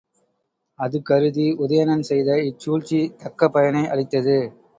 அது கருதி உதயணன் செய்த இச் சூழ்ச்சி தக்க பயனை அளித்தது.